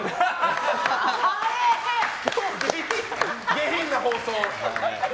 下品な放送。